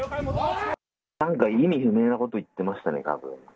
なんか意味不明なこと言ってましたね、たぶん。